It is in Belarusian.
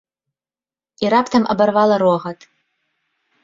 І раптам абарвала рогат.